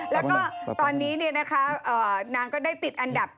แล้วก็ตอนนี้นางก็ได้ติดอันดับ